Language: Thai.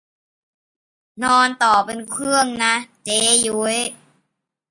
นอนต่อบนเครื่องนะเจ้ยุ้ย